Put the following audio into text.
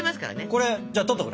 これじゃあ取っとくね。